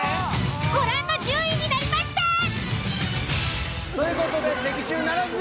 ご覧の順位になりました！という事で的中ならず！